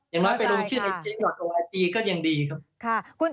อย่างน้อยไปลงชื่นไอ้เชียงหน่อยตรงอาจีก็ยังดีครับ